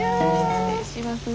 失礼します。